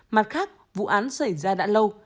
mặt khác vụ án xảy ra đã lâu